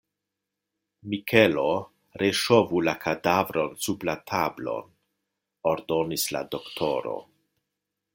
Mikelo, reŝovu la kadavron sub la tablon, ordonis la doktoro.